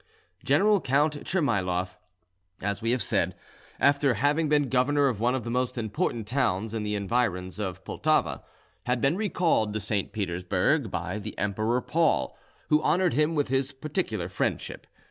General Count Tchermayloff, as we have said, after having been governor of one of the most important towns in the environs of Pultava, had been recalled to St. Petersburg by the Emperor Paul, who honoured him with his particular friendship.